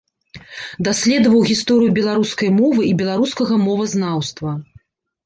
Даследаваў гісторыю беларускай мовы і беларускага мовазнаўства.